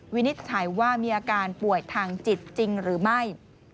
วินิจฉัยว่ามีอาการป่วยทางจิตจริงหรือไม่